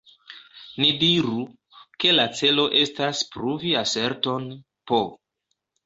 Ni diru, ke la celo estas pruvi aserton "p".